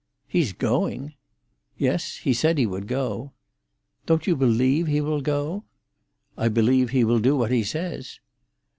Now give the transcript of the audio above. "He is going." "Yes; he said he would go." "Don't you believe he will go?" "I believe he will do what he says."